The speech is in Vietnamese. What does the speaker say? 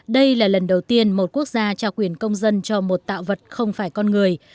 đây là lần đầu tiên một quốc gia trao quyền công dân cho một tạo vật không phải con người